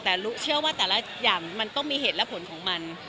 แต่เชื่อว่าแต่ละอย่างมันต้องมีเหตุและผลของมัน